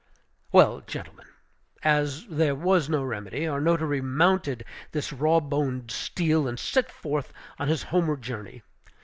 Well, gentlemen, as there was no remedy, our notary mounted this raw boned steed and set forth upon his homeward journey.